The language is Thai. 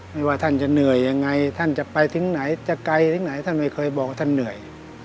ไม่ว่าท่านจะเหนื่อยยังไงท่านจะไปถึงไหนจะไกลถึงไหนท่านไม่เคยบอกว่าท่านเหนื่อย